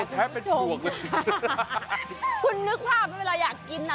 หันออกไปบ้างเออนั่นแหละแพ้เป็นส่วนคุณนึกภาพเมื่ออยากกินน่ะ